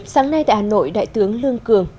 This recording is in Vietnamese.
sáng nay tại hà nội đại tướng lương cường